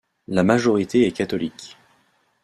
La majorité est catholique.